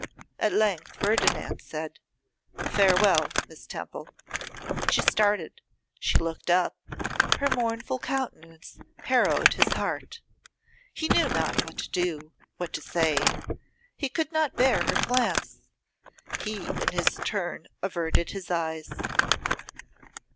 At length Ferdinand said, 'Farewell, Miss Temple.' She started, she looked up, her mournful countenance harrowed his heart. He knew not what to do; what to say. He could not bear her glance; he in his turn averted his eyes.